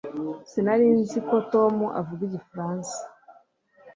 Sinari nzi ko Tom avuga igifaransa